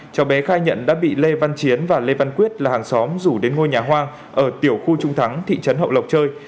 cháu bé khai nhận đã bị lê văn chiến và lê văn quyết là hàng xóm rủ đến ngôi nhà hoang ở tiểu khu trung thắng thị trấn hậu lộc chơi